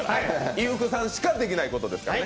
井福さんしかできないことですからね。